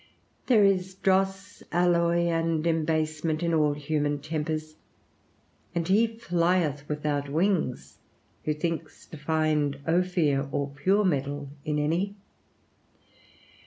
There is dross, alloy, and embasement in all human tempers; and he flieth without wings, who thinks to find ophir or pure metal in any.